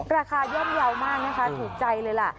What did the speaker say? ย่อมเยาว์มากนะคะถูกใจเลยล่ะ